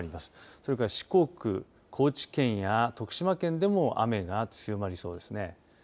それから四国、高知県徳島県でも雨が強まりそうですね。